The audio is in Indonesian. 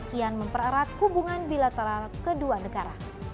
kian mempererat hubungan bilateral kedua negara